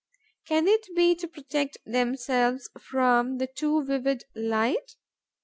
Can it be to protect themselves from the too vivid light?